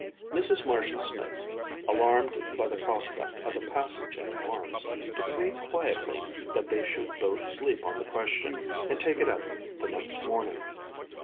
Mrs. Marshall Smith, alarmed by the prospect of a passage at arms, decreed quietly that they should both sleep on the question and take it up the next morning.